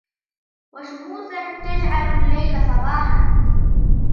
و شموسا تجعل الليل صباحا